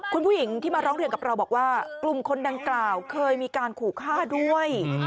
คุณผู้หญิงที่มาร้องเรียนกับเราบอกว่ากลุ่มคนดังกล่าวเคยมีการขู่ฆ่าด้วย